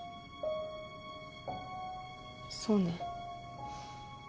そうね。